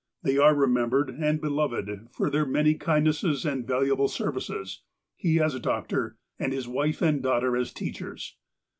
They are all remem bered and beloved for their many kindnesses and valuable services, he as a doctor, and his wife and daughter as teachers.